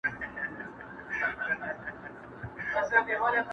نه شاهین د تورو غرو نه تور بلبل سوې.